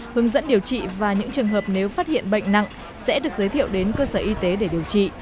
hướng dẫn điều trị và những trường hợp nếu phát hiện bệnh nặng sẽ được giới thiệu đến cơ sở y tế để điều trị